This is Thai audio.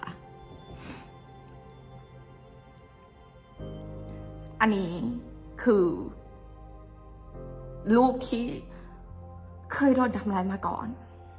อันนี้คือรูปที่เคยโดนทำร้ายมาก่อน